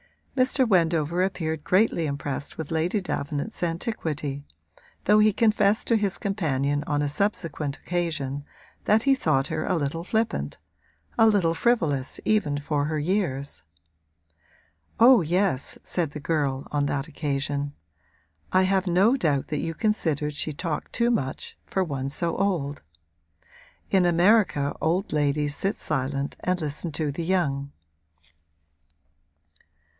Mr. Wendover appeared greatly impressed with Lady Davenant's antiquity, though he confessed to his companion on a subsequent occasion that he thought her a little flippant, a little frivolous even for her years. 'Oh yes,' said the girl, on that occasion, 'I have no doubt that you considered she talked too much, for one so old. In America old ladies sit silent and listen to the young.'